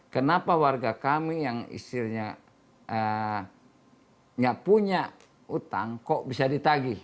kenapa warga kami yang istrinya tidak punya utang kok bisa di tagih